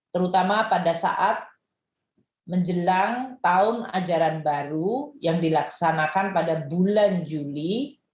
terutama pada saat menjelang tahun ajaran baru yang dilaksanakan pada bulan juli